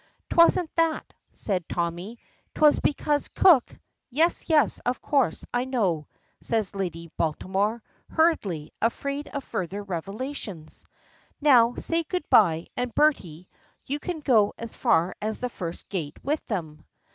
"'Twasn't that," says Tommy; "'twas because cook " "Yes, yes; of course. I know," says Lady Baltimore, hurriedly, afraid of further revelations. "Now, say good bye, and, Bertie, you can go as far as the first gate with them."